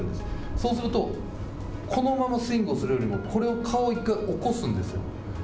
そうすると、このままスイングをするよりも、これを顔を１回起こすんですよ。